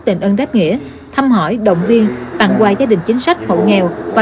truyền pháp định ân đáp nghĩa thăm hỏi động viên tặng quà gia đình chính sách hậu nghèo và